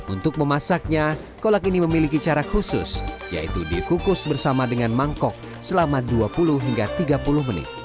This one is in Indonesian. untuk memasaknya kolak ini memiliki cara khusus yaitu dikukus bersama dengan mangkok selama dua puluh hingga tiga puluh menit